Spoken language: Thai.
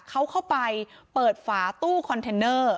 เขาเข้าไปเปิดฝาตู้คอนเทนเนอร์